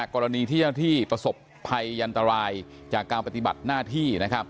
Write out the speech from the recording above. กรณีที่ผสมภัยยันตรายจากการปฏิบัติหน้าที่